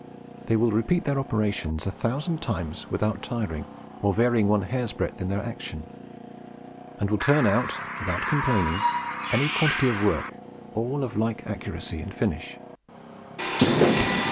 They will repeat their operations a thousand times without tiring, or varying one hair's breadth in their action; and will turn out, without complaining, any quantity of work, all of like accuracy and finish.